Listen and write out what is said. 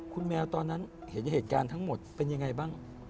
คุณแมวตอนนั้นเห็นเหตุการณ์ทั้งหมดเป็นยังไงบ้าง